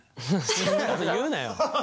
そんなこと言うなよ。